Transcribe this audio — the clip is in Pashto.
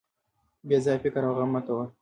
بې ځایه فکر او غم مه کوه.